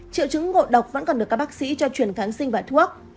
triệu chứng ngộ độc vẫn còn được các bác sĩ cho truyền kháng sinh và thuốc